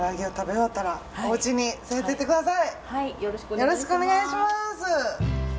よろしくお願いします。